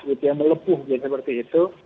yang melepuh seperti itu